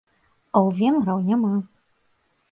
А ў венграў няма!